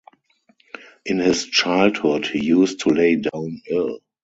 In his childhood, he used to lay down ill.